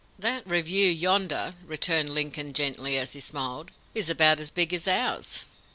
"That review yonder," returned Lincoln gently, as he smiled, "is about as big as ours!"